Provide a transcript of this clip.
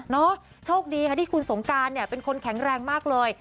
โชคดีค่ะที่คุณสงการเนี่ยเป็นคนแข็งแรงมากเลย